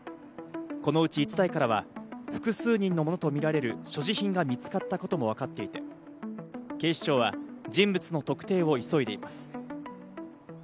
このうち１台からは複数人のものとみられる所持品が見つかったことも分かっていて、警視庁は人物の特定を急いでいます。